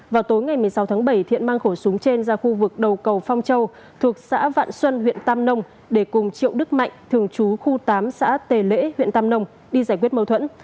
vào tối ngày một mươi sáu tháng bảy thiện mang khẩu súng trên ra khu vực đầu cầu phong châu thuộc xã vạn xuân huyện tam nông để cùng triệu đức mạnh thường trú khu tám xã tề lễ huyện tam nông đi giải quyết mâu thuẫn